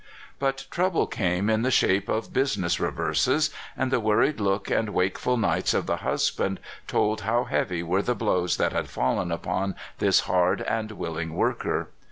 But trouble came in the shape of business reverses, and the worried look and wake ful nights of the husband told how^ heavy were the blows that had fallen upon this hard and willing worker.